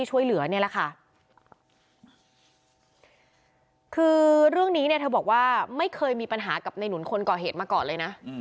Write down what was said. คือเรื่องนี้เนี่ยเธอบอกว่าไม่เคยมีปัญหากับในหนุนคนก่อเหตุมาก่อนเลยนะ